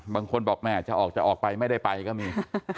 บางคนบอกอ้าวจะออกไปไม่ได้ไปก็มี